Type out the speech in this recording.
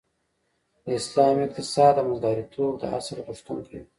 د اسلام اقتصاد د منځلاریتوب د اصل غوښتونکی دی .